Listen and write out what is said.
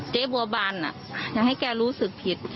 เจ๊บัวบานอย่าให้แกรู้สึกผิด